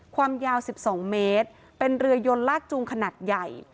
ความยาว๑๒เมตรเป็นเรือยนลากจูงขนาดใหญ่